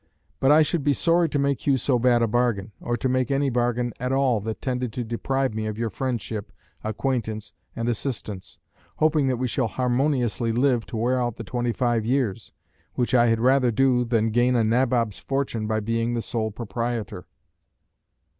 But I should be sorry to make you so bad a bargain, or to make any bargain at all that tended to deprive me of your friendship, acquaintance, and assistance, hoping that we shall harmoniously live to wear out the twenty five years, which I had rather do than gain a Nabob's fortune by being the sole proprietor.